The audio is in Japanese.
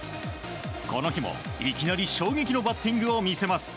この日もいきなり衝撃のバッティングを見せます。